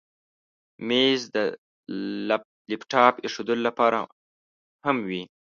مېز د لپټاپ ایښودلو لپاره هم وي.